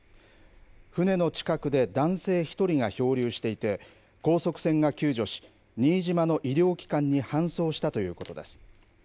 船の近くで男性１人が漂流していて、高速船が救助し、新島の医療機関に搬送したということです。